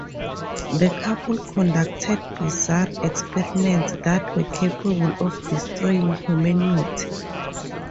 The couple conducted bizarre experiments that were capable of destroying humanity.